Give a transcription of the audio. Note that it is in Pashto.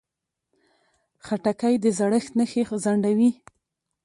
خټکی د زړښت نښې ځنډوي.